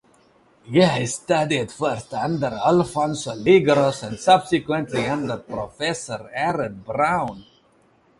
He studied first under Alphonse Legros and subsequently under Professor Fred Brown.